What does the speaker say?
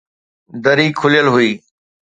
دري کليل هئي